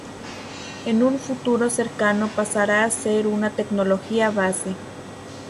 En un futuro cercano pasará a ser una tecnología base.